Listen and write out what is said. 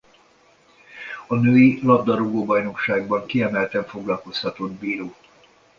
A női labdarúgó-bajnokságban kiemelten foglalkoztatott bíró.